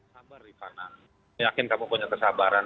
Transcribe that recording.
saya yakin kamu punya kesabaran